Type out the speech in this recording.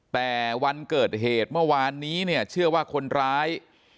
แต่วันเกิดเหตุเมื่อวานนี้เนี่ยเชื่อว่าคนร้าย